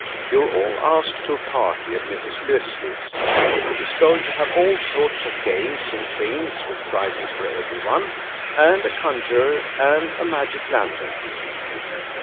You're all asked to a party at Mrs. Leslie's. She's going to have all sorts of games and things, with prizes for every one, and a conjurer and a magic lantern."